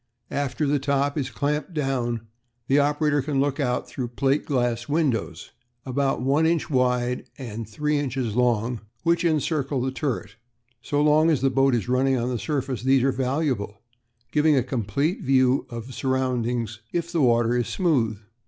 After the top is clamped down the operator can look out through plate glass windows, about one inch wide and three inches long, which encircle the turret. "So long as the boat is running on the surface these are valuable, giving a complete view of the surroundings if the water is smooth.